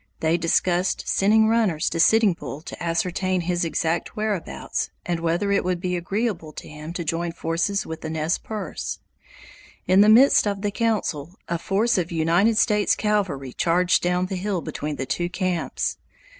They discussed sending runners to Sitting Bull to ascertain his exact whereabouts and whether it would be agreeable to him to join forces with the Nez Perces. In the midst of the council, a force of United States cavalry charged down the hill between the two camps.